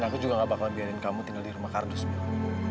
dan aku juga nggak bakal biarin kamu tinggal di rumah kardus mila